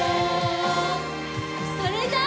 それじゃあ。